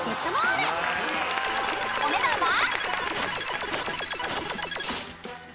［お値段は？］